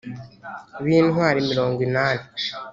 b intwari mirongo inani